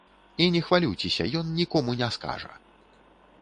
І не хвалюйцеся, ён нікому не скажа.